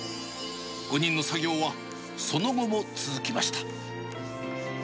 ５人の作業はその後も続きました。